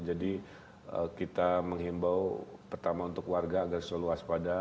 jadi kita menghimbau pertama untuk warga agar seluas pada